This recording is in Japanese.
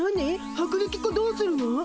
薄力粉どうするの？